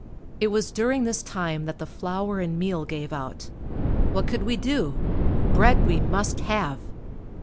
It was during this time that the flour and meal gave out. What could we do? Bread we must have!